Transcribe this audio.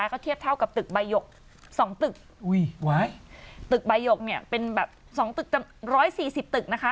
แล้วเทียบเท่ากับตึกบายกสองตึกตึกบายกเนี่ยเป็นแบบสองตึก๑๔๐ตึกนะคะ